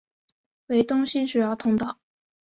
为东西主要通道。